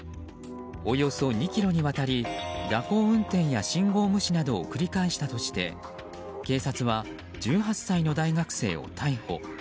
およそ２ｋｍにわたり蛇行運転や信号無視などを繰り返したとして警察は１８歳の大学生を逮捕。